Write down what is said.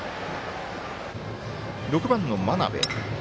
６番、真鍋。